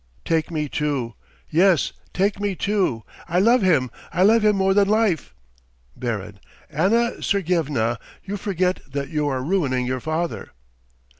Take me too! Yes, take me too! I love him, I love him more than life! BARON: Anna Sergyevna, you forget that you are ruining your father